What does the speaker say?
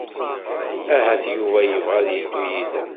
Ahat Yuba yebɣa ad yeddu yid-m.